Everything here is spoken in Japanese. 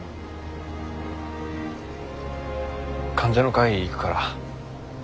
患者の会行くから。